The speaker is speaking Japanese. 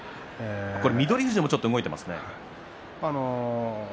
翠富士もちょっと動いていますね。